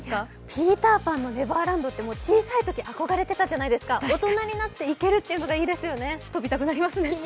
「ピーター・パン」のネバーランドって小さいとき憧れてたじゃないですか、大人になって行けるというのがいいですよね。